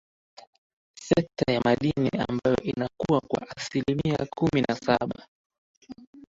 Sekta ya madini ambayo inakuwa kwa asilimia kumi na saba